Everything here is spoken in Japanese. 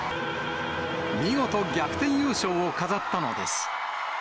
見事逆転優勝を飾ったのです。